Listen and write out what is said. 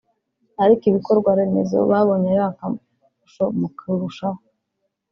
ariko ibikorwaremezo babonye ari akarusho mu kurushaho